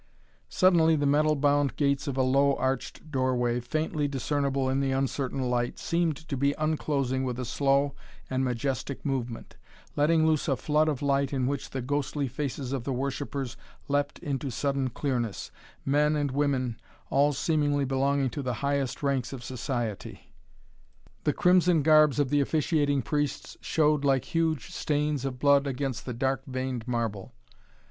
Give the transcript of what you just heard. Suddenly the metal bound gates of a low arched doorway, faintly discernible in the uncertain light, seemed to be unclosing with a slow and majestic movement, letting loose a flood of light in which the ghostly faces of the worshippers leapt into sudden clearness, men and women, all seemingly belonging to the highest ranks of society. The crimson garbs of the officiating priests showed like huge stains of blood against the dark veined marble.